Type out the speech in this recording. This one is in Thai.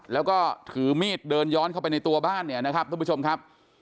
แล้วก็ถือมีดเดินย้อนเข้าไปในตัวบ้านเนี่ยนะครับทุกผู้ชมครับ